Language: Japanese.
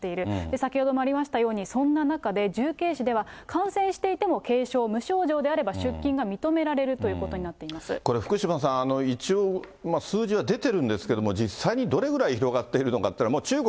先ほどもありましたように、そんな中で重慶市では、感染していても、軽症、無症状であれば出勤が認められるというここれ、福島さん、一応、数字は出てるんですけれども、実際にどれぐらい広がっているのかというのは、もう中国